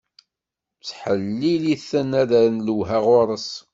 Tettḥelil-iten ad rren lwelha ɣur-s.